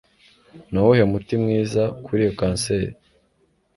Nuwuhe muti mwiza kuri iyo kanseri